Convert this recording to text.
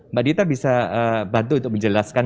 mbak dita bisa bantu untuk menjelaskan